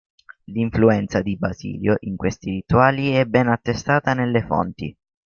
L'influenza di Basilio in questi rituali è ben attestata nelle fonti.